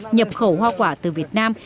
nhập khẩu hoa quả từ việt nam